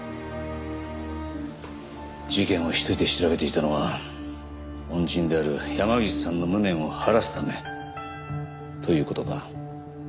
事件を一人で調べていたのは恩人である山岸さんの無念を晴らすためという事か？